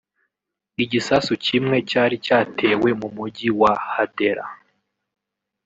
Igisasu kimwe cyari cyatewe mu mujyi wa Hadera